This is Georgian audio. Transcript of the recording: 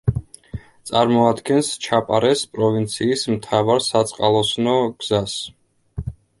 წარმოადგენს ჩაპარეს პროვინციის მთავარ საწყალოსნო გზას.